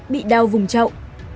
bị đau vùng trậu